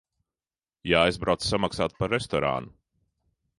Jāaizbrauc samaksāt par restorānu.